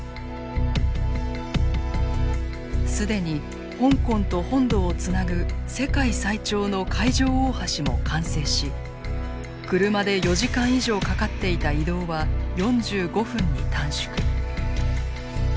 既に香港と本土をつなぐ世界最長の海上大橋も完成し車で４時間以上かかっていた移動は４５分に短縮。